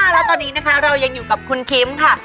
แล้วตอนนี้นะคะเรายังอยู่กับคุณคิมค่ะ